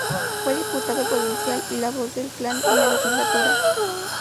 Fue diputado provincial, y la voz del clan en la Legislatura.